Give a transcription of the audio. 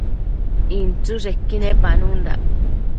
inchËshequi nepanundac